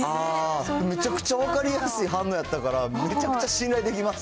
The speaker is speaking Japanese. めちゃくちゃ分かりやすい反応やったから、めちゃくちゃ信頼できます。